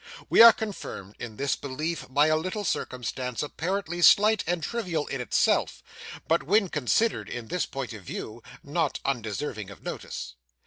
We are confirmed in this belief by a little circumstance, apparently slight and trivial in itself, but when considered in this point of view, not undeserving of notice.